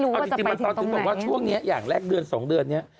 อเรนนี่ดิตี้ไอดิติมันตอดทึกว่าช่วงนี้อย่างแรกเดือน๒เดือนนี้